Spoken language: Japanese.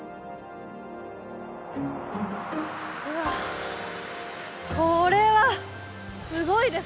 うわこれはすごいですね。